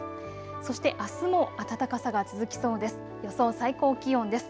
そしてあすも暖かさが続きそうです。